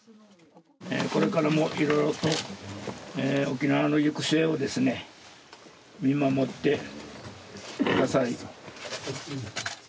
これからもいろいろと沖縄の行く末を見守ってください。